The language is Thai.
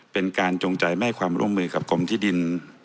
จงใจไม่ให้ความร่วมมือกับกรมที่ดิน